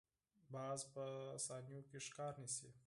باز په ثانیو کې ښکار نیسي